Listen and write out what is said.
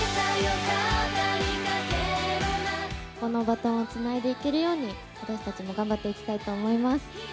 このバトンをつないでいけるように、私たちも頑張っていきたいと思います。